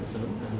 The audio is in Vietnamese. họ sẽ khuấy máu